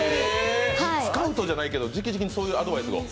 スカウトじゃないけどじきじきにそういうアドバイスを。